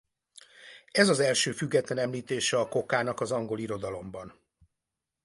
Ez az első független említése a kokának az angol irodalomban.